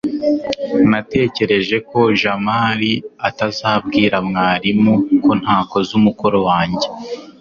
natekereje ko jamali atazabwira mwarimu ko ntakoze umukoro wanjye